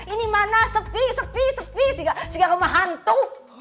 ini mana sepi sepi sepi segar sama hantu